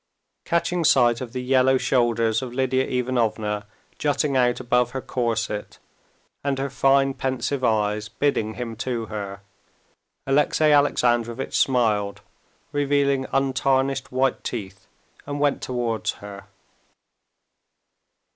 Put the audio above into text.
Catching sight of the yellow shoulders of Lidia Ivanovna jutting out above her corset, and her fine pensive eyes bidding him to her, Alexey Alexandrovitch smiled, revealing untarnished white teeth, and went towards her.